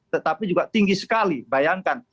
tetapi juga tinggi sekali bayangkan